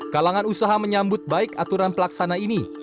kalangan usaha menyambut baik aturan pelaksana ini